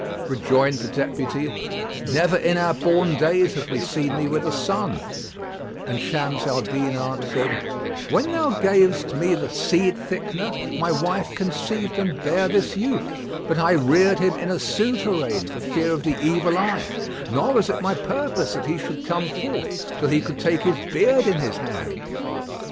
Rejoined the Deputy, "Never in our born days have we seen thee with a son," and Shams al Din answered, "When thou gavest me the seed thickener, my wife conceived and bare this youth; but I reared him in a souterrain for fear of the evil eye, nor was it my purpose that he should come forth, till he could take his beard in his hand.